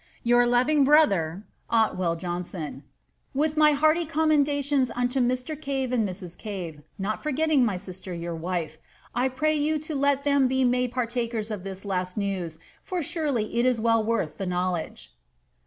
"Your loving brother, •*Ottwili. Joavsex. "With my hearty commendations unto Mr. Cave and Mrs. Cave, not forgeoiflg my sister, your wife: I pray you to let them be made partakers of this last nevii ior surely it is well worth the knowledge."'